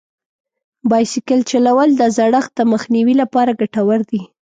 بایسکل چلول د زړښت د مخنیوي لپاره ګټور دي.